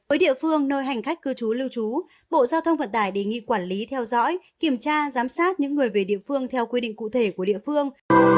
ở địa phương nơi hành khách cư trú lưu trú bộ giao thông vận tải đề nghị quản lý theo dõi kiểm tra giám sát những người về địa phương theo quy định cụ thể của địa phương